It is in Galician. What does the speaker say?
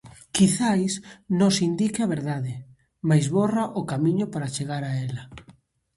Quizais nos indique a verdade, mais borra o camiño para chegar a ela.